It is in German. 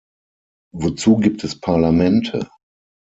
Wozu gibt es Parlamente?